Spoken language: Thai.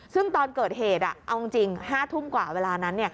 ซึ่งตอนเกิดเหตุเอาจริง๕ทุ่มกว่าเวลานั้น